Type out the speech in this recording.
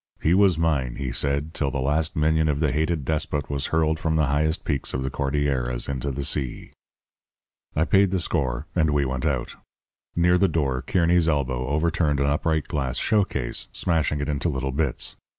He was mine, he said, till the last minion of the hated despot was hurled from the highest peaks of the Cordilleras into the sea. "I paid the score, and we went out. Near the door Kearny's elbow overturned an upright glass showcase, smashing it into little bits.